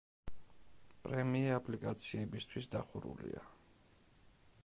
პრემია აპლიკაციებისთვის დახურულია.